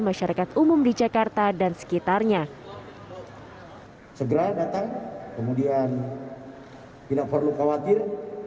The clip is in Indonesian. masyarakat umum di jakarta dan sekitarnya segera datang kemudian tidak perlu khawatir